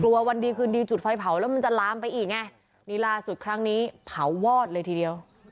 วันดีคืนดีจุดไฟเผาแล้วมันจะลามไปอีกไงนี่ล่าสุดครั้งนี้เผาวอดเลยทีเดียว